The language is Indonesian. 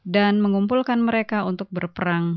dan mengumpulkan mereka untuk berperang